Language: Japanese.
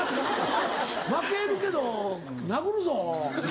負けるけど殴るぞ。